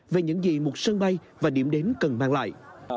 về những gì một sân bay và điểm đến cần mang lại